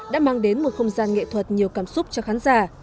đã mang đến một không gian nghệ thuật nhiều cảm xúc cho khán giả